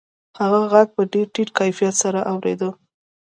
هغه غږ په ډېر ټیټ کیفیت سره اورېده